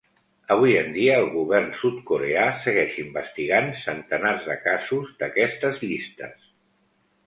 Avui en dia, el govern sud-coreà segueix investigant centenars de casos d'aquestes llistes.